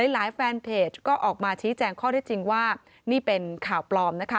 หลายแฟนเพจก็ออกมาชี้แจงข้อที่จริงว่านี่เป็นข่าวปลอม